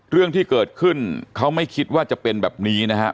เรื่องที่เกิดขึ้นเขาไม่คิดว่าจะเป็นแบบนี้นะครับ